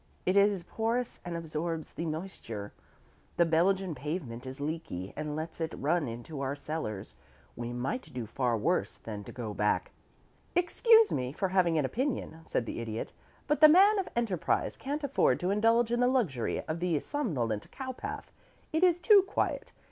It is porous and absorbs the moisture. The Belgian pavement is leaky, and lets it run into our cellars. We might do far worse than to go back " "Excuse me for having an opinion," said the Idiot, "but the man of enterprise can't afford to indulge in the luxury of the somnolent cowpath. It is too quiet.